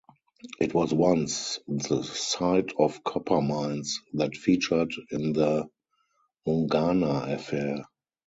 It was once the site of copper mines that featured in the Mungana Affair.